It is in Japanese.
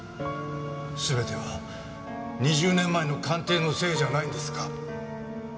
全ては２０年前の鑑定のせいじゃないんですか？